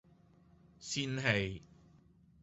仙氣